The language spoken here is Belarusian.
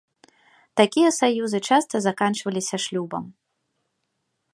Такія саюзы часта заканчваліся шлюбам.